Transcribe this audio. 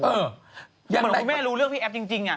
เหมือนคุณแม่รู้เรื่องพี่แอฟจริง